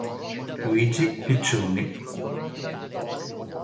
Luigi Piccioni